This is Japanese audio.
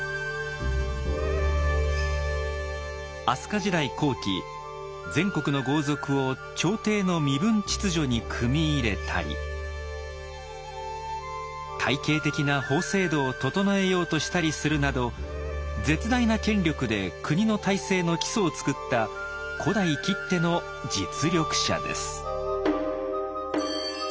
飛鳥時代後期全国の豪族を朝廷の身分秩序に組み入れたり体系的な法制度を整えようとしたりするなど絶大な権力で国の体制の基礎をつくった古代きっての実力者です。